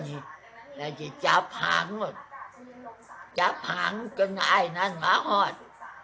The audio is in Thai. และที่อยู่ก็จะจาบหางหมดจาบหางจนอายนั้นหมาหอด